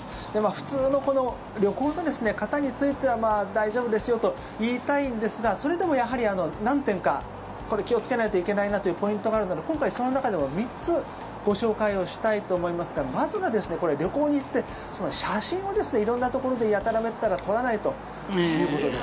普通の旅行の方については大丈夫ですよと言いたいんですがそれでもやはり、何点か気をつけないといけないなというポイントがあるので今回、その中でも３つご紹介をしたいと思いますがまずは、旅行に行って写真を色んなところでやたらめったら撮らないということです。